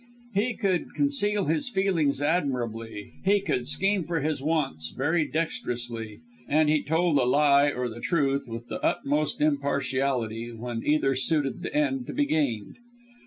He could conceal his feelings admirably, he could scheme for his wants very dexterously, and he told a lie or the truth with the utmost impartiality when either suited the end to be gained.